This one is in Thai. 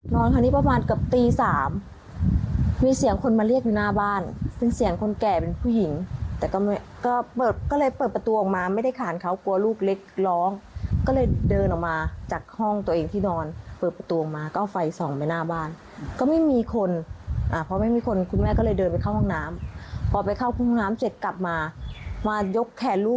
คราวนี้ประมาณเกือบตีสามมีเสียงคนมาเรียกอยู่หน้าบ้านซึ่งเสียงคนแก่เป็นผู้หญิงแต่ก็เปิดก็เลยเปิดประตูออกมาไม่ได้ขานเขากลัวลูกเล็กร้องก็เลยเดินออกมาจากห้องตัวเองที่นอนเปิดประตูออกมาก็เอาไฟส่องไปหน้าบ้านก็ไม่มีคนอ่าพอไม่มีคนคุณแม่ก็เลยเดินไปเข้าห้องน้ำพอไปเข้าห้องน้ำเสร็จกลับมามายกแขนลูก